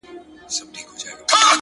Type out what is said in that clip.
سرکښي نه کوم نور خلاص زما له جنجاله یې،